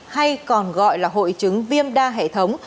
hay còn gọi là hội chứng viêm đa hệ thống